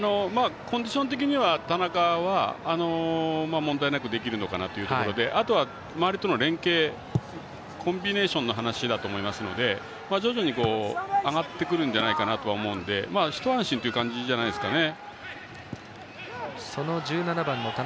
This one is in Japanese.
コンディション的には田中は問題なくできるのかなというところであとは周りとの連係コンビネーションの話だと思いますので徐々に上がってくるんじゃないかと思うので一安心という感じじゃないですかね。